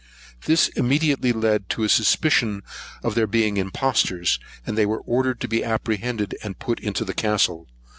This immediately led to a suspicion of their being impostors; and they were ordered to be apprehended, and put into the castle.